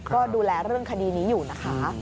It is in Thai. ก็ดูแลเรื่องคดีนี้อยู่นะคะ